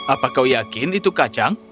apa kau yakin itu kacang